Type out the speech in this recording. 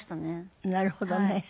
なるほどね。